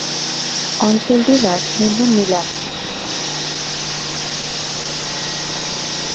অঞ্চলটির রাজধানীর নাম মিলান।